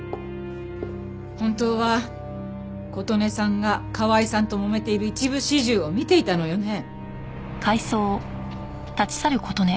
本当は琴音さんが川井さんともめている一部始終を見ていたのよね？